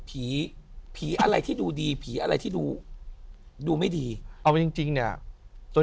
ผีผีอะไรที่ดูดีผีอะไรที่ดูดูไม่ดีเอาจริงจริงเนี่ยตัว